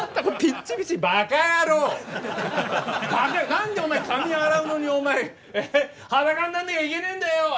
何でお前髪洗うのにお前裸にならなきゃいけねえんだよ！